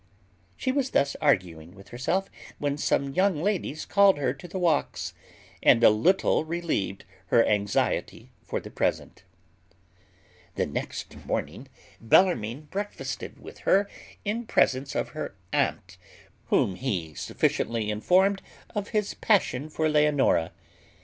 She was thus arguing with herself, when some young ladies called her to the walks, and a little relieved her anxiety for the present. The next morning Bellarmine breakfasted with her in presence of her aunt, whom he sufficiently informed of his passion for Leonora.